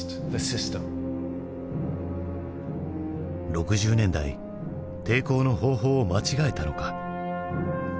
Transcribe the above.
６０年代抵抗の方法を間違えたのか？